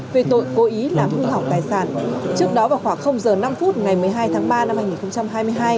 vì tội cố ý làm hư hỏng tài sản trước đó vào khoảng giờ năm phút ngày một mươi hai tháng ba năm hai nghìn hai mươi hai